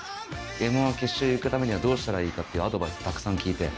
『Ｍ−１』決勝行くためにはどうしたらいいかっていうアドバイスたくさん聞いて。